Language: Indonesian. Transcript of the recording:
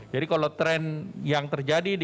jadi kalau tren yang terjadi dikuasai